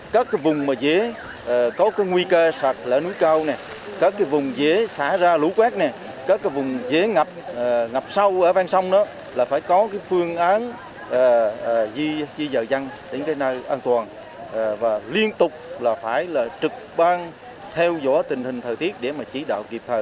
các địa phương ven biển miền núi phòng ngừa nguy cơ lũ quét sạt lỡ núi ngập lụt bão tình hình xảy ra